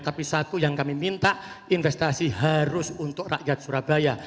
tapi satu yang kami minta investasi harus untuk rakyat surabaya